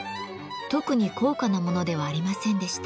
特に高価なものではありませんでした。